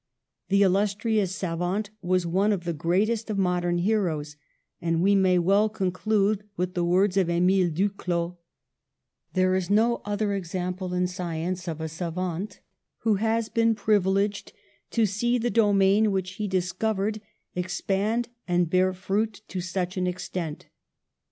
The illustrious savant was one of the greatest of modern heroes, and we may well conclude with the words of Emile Duclaux: "There is no other example in science of a savant who has been privileged to see the do main which he discovered expand and bear fruit to such an extent.